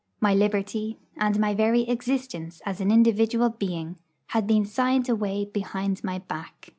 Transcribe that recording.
My liberty, and my very existence as an individual being, had been signed away behind my back.